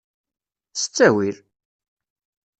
S ttawil!